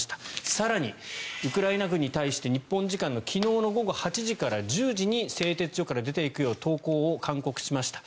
更に、ウクライナ軍に対して日本時間の昨日午後８時から１０時に製鉄所から出ていくよう投降を勧告しました。